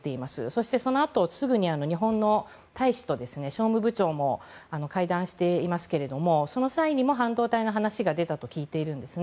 そしてそのあとすぐに日本の大使と商務部長も会談していますがその際にも半導体の話が出たと聞いています。